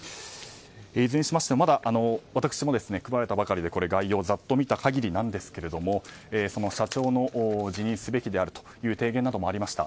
いずれにしましても私も、まだ配られたばかりでして概要をざっと見た限りなんですが社長の辞任すべきであるという提言などもありました。